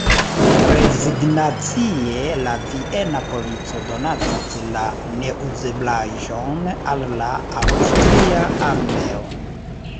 Rezignacie la viena polico donacis la neuzeblaĵon al la aŭstria armeo.